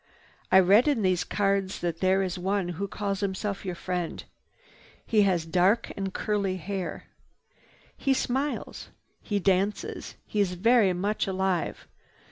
"I read in these cards that there is one who calls himself your friend. He has dark and curly hair. He smiles. He dances. He is very much alive.